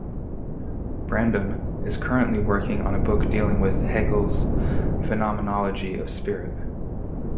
Brandom is currently working on a book dealing with Hegel's "Phenomenology of Spirit".